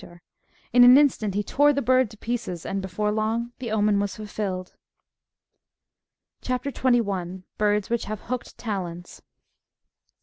495 the prsetor ; in an instant he tore the bii'd to pieces, and before long the omen was fulfilled.^^ CHAP. 21. (19.) — BIEDS WHICH HAYE HOOKED TALONS.